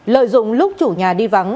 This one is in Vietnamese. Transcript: lợi dụng lúc chủ nhà đi vắng